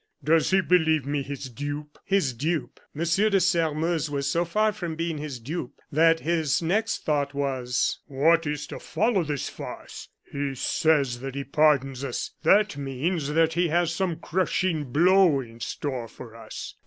does he believe me his dupe?" His dupe! M. de Sairmeuse was so far from being his dupe, that his next thought was: "What is to follow this farce? He says that he pardons us that means that he has some crushing blow in store for us."